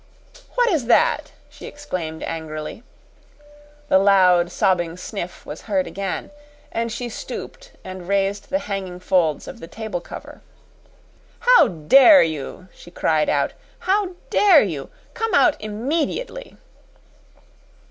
"What is that!" she exclaimed angrily. The loud, sobbing sniff was heard again, and she stooped and raised the hanging folds of the table cover. "How DARE you!" she cried out. "How dare you! Come out immediately!"